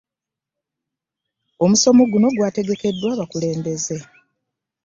Omusomo guno gwategekeddwa abakulembeze